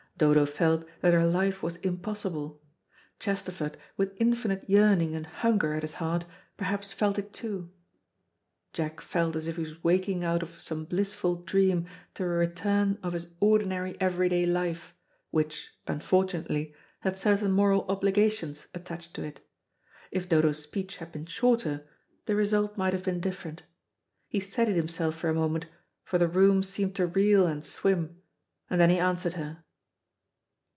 Dodo felt that her life was impossible. Chesterford, with infinite yearning and hunger at his heart, perhaps felt it too. Jack felt as if he was waking out of some blissful dream to a return of his ordinary everyday life, which, unfortunately, had certain moral obligations attached to it. If Dodo's speech had been shorter, the result might have been different. He steadied himself for a moment, for the room seemed to reel and swim, and then he answered her.